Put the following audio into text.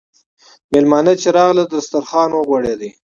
میلمانه چې راغلل، دسترخوان وغوړېد.